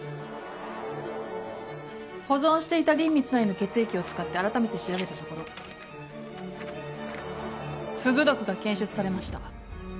保存していた林密成の血液を使ってあらためて調べたところフグ毒が検出されました。